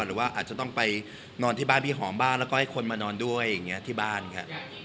หรือว่าอาจจะต้องไปนอนที่บ้านพี่หอมบ้างแล้วก็ให้คนมานอนด้วยอย่างนี้ที่บ้านค่ะ